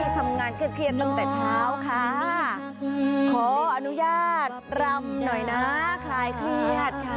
ทำงานเครียดตั้งแต่เช้าค่ะขออนุญาตรำหน่อยนะคลายเครียดค่ะ